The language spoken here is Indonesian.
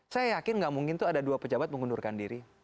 saya yakin nggak mungkin ada dua pejabat mengundurkan diri